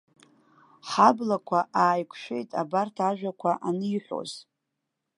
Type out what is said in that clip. Ҳаблақәа ааиқәшәеит абарҭ ажәақәа аниҳәоз.